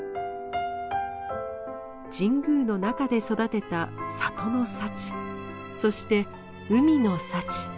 神宮の中で育てた里の幸そして海の幸。